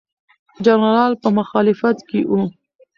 جنرالان په مخالفت کې وو.